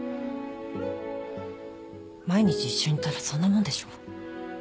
毎日一緒にいたらそんなもんでしょ。